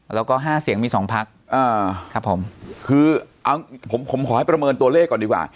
แล้วก็ห้าเสียงมีสองพักครับผมคือเอาผมผมขอให้ประเมินตัวเลขก่อนดีกว่า